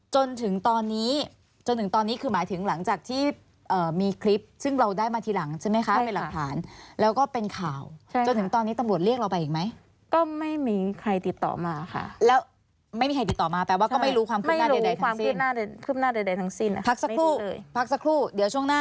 จนถึงตอนนี้จนถึงตอนนี้คือหมายถึงหลังจากที่มีคลิปซึ่งเราได้มาทีหลังใช่ไหมคะเป็นหลักฐานแล้วก็เป็นข่าวจนถึงตอนนี้ตำรวจเรียกเราไปอีกไหมก็ไม่มีใครติดต่อมาค่ะแล้วไม่มีใครติดต่อมาแปลว่าก็ไม่รู้ความคืบหน้าใดความคืบหน้าใดทั้งสิ้นพักสักครู่พักสักครู่เดี๋ยวช่วงหน้า